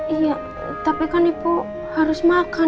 iya tapi kan ibu harus makan